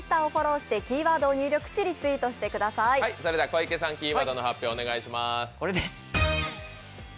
小池さん、キーワードの発表をお願いします。